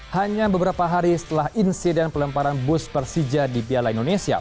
hanya beberapa hari setelah insiden pelemparan bus persija di piala indonesia